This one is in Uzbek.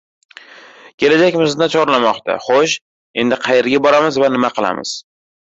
Kelajak bizni chorlamoqda. Xo‘sh, endi qayerga boramiz va nima qilamiz?